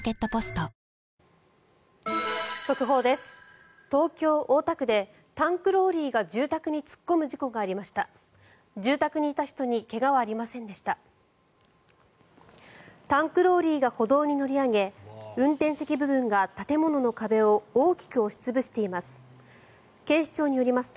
タンクローリーが歩道に乗り上げ運転席部分が建物の壁を大きく押し潰しています。